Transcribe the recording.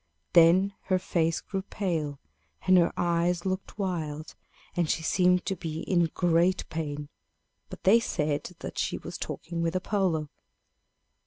Then her face grew pale, and her eyes looked wild, and she seemed to be in great pain; but they said that she was talking with Apollo.